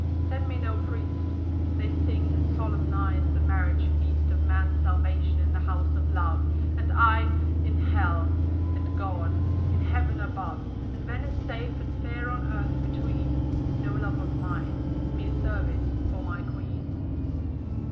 Send me no priest! They sing and solemnise the marriage feast Of man's salvation in the house of love, And I in Hell, and God in Heaven above, And Venice safe and fair on earth between No love of mine mere service for my Queen.'